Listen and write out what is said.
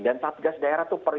dan satgas daerah tuh